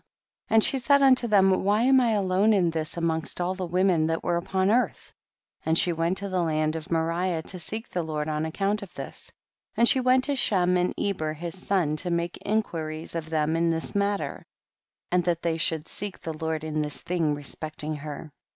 10. And she said unto them, why am I alone in this amongst all the women that were upon earth ? and she went to the land of Moriah to seek the Lord on account of this ; and she went to Shem and Eber his son to make inquiries of them in tliis matter, and that they should seek the Lord in this thing respect ing her.